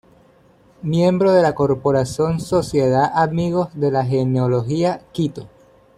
Miembro de la Corporación Sociedad Amigos de la Genealogía, Quito.